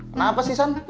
kenapa sih san